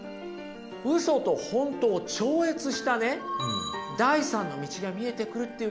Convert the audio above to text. ウソと本当を超越したね第３の道が見えてくるっていうことなんですよ。